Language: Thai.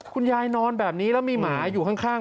นอนแบบนี้แล้วมีหมาอยู่ข้าง